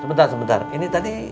sebentar sebentar ini tadi